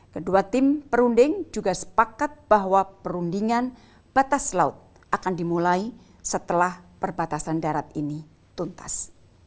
kedua tim perunding juga sepakat bahwa perundingan batas laut akan dimulai setelah perbatasan darat ini tuntas